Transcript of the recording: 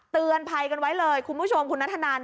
เตือนภัยกันไว้เลยคุณผู้ชมคุณนัทธนัน